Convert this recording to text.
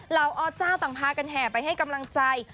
อเจ้าต่างพากันแห่ไปให้กำลังใจ